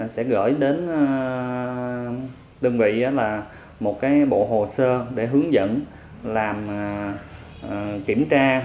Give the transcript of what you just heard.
sẽ gửi đến đơn vị là một bộ hồ sơ để hướng dẫn làm kiểm tra